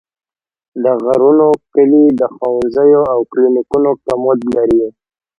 د غرونو کلي د ښوونځیو او کلینیکونو کمبود لري.